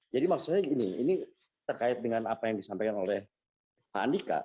jadi maksudnya gini ini terkait dengan apa yang disampaikan oleh pak andika